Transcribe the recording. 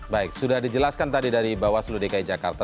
baik sudah dijelaskan tadi dari bawah seluruh dki jakarta